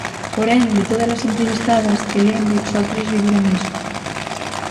Porén, de tódalas entrevistadas, que lembre, só tres viviran iso.